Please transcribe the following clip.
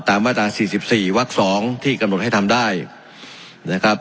มาตรา๔๔วัก๒ที่กำหนดให้ทำได้นะครับ